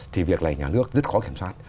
thì việc này nhà nước rất khó kiểm soát